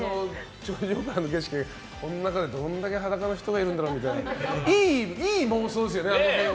基山の景色でこの中にどれだけ裸の人がいるんだろうっていい妄想ですよね。